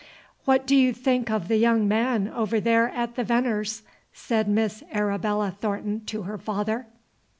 "What do you think of the young man over there at the Veneers'?" said Miss Arabella Thornton to her father.